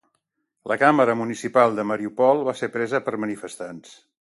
La Càmera Municipal de Mariupol va ser presa per manifestants.